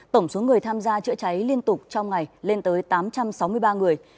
tổng số người tham gia chữa cháy liên tục trong ngày lên tới tám trăm sáu mươi ba người